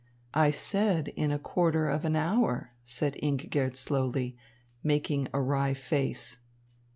"I said in a quarter of an hour," said Ingigerd slowly, making a wry face.